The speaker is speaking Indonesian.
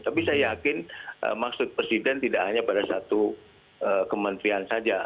tapi saya yakin maksud presiden tidak hanya pada satu kementerian saja